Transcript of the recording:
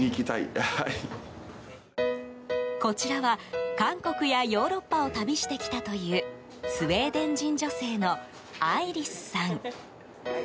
こちらは、韓国やヨーロッパを旅してきたというスウェーデン人女性のアイリスさん。